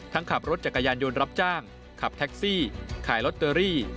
ขับรถจักรยานยนต์รับจ้างขับแท็กซี่ขายลอตเตอรี่